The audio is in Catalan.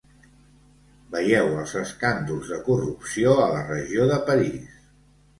Veieu els escàndols de corrupció a la regió de París.